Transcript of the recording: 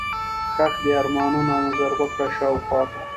ښخ دي ارمانونه، نظر وکړه شاوخواته